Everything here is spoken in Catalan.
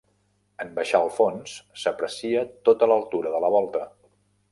En baixar al fons, s'aprecia tota l'altura de la volta.